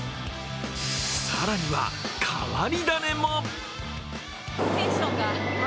更には、変わり種も。